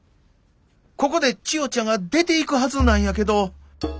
ここで千代ちゃんが出ていくはずなんやけど。